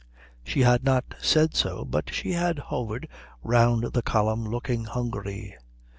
She had not said so, but she had hovered round the column looking hungry.